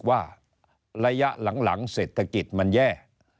ว่าระยะหลังเศรษฐกิจมันแย่